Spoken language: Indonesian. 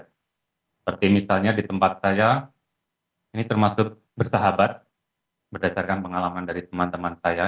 seperti misalnya di tempat saya ini termasuk bersahabat berdasarkan pengalaman dari teman teman saya